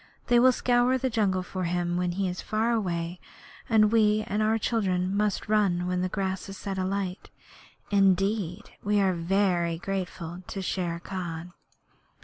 They will scour the jungle for him when he is far away, and we and our children must run when the grass is set alight. Indeed, we are very grateful to Shere Khan!'